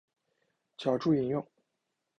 脚注引用